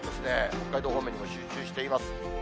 北海道方面にも集中しています。